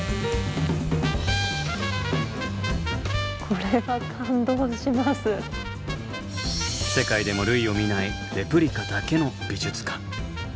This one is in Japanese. これは世界でも類を見ないレプリカだけの美術館。